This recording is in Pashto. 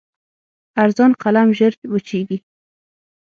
ارزان قلم ژر وچېږي.